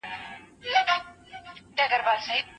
علمي ستونزې د څېړنې له لارې حل کیږي.